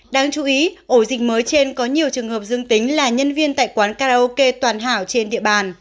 đáng chú ý ổ dịch mới trên có nhiều trường hợp dương tính là nhân viên tại quán karaoke toàn hảo trên địa bàn